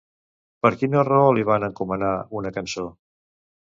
Per quina raó li van encomanar una cançó?